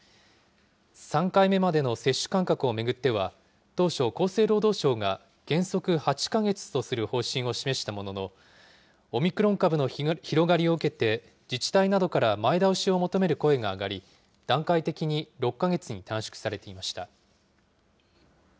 ３回目までの接種間隔を巡っては、当初、厚生労働省が原則８か月とする方針を示したものの、オミクロン株の広がりを受けて、自治体などから前倒しを求める声が上がり、段階的に６か月に短縮されていました。